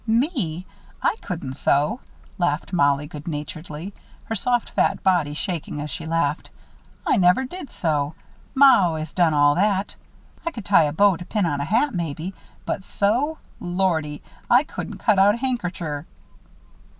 "Me? I couldn't sew," laughed Mollie, good naturedly, her soft fat body shaking as she laughed. "I never did sew. Ma always done all that. I could tie a bow to pin on a hat, maybe, but sew lordy, I couldn't cut out a handkercher!"